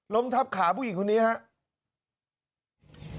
ทับขาผู้หญิงคนนี้ครับ